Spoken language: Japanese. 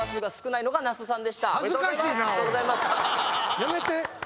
やめて！